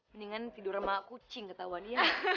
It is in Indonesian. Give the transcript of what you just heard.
mendingan tidur sama kucing ketahuan ya